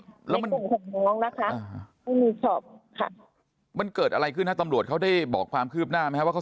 กลุ่ม๖ของหลองนะคะไม่มีสอบมันเกิดอะไรขึ้นหรือตำรวจเขาได้บอกความคืบหน้าว่าเขา